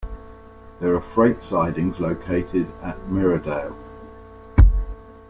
There are freight sidings located at Myrdal.